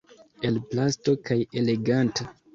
El plasto kaj „eleganta“.